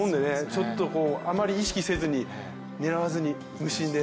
ちょっと、あまり意識せずに狙わずに、無心で。